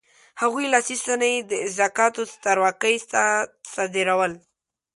هغوی لاسي صنایع د ازتکانو سترواکۍ ته صادرول.